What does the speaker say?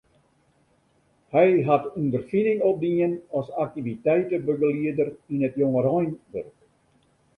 Hy hat ûnderfining opdien as aktiviteitebegelieder yn it jongereinwurk.